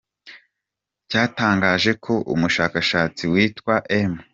com cyatangaje ko umushakashatsi witwa M.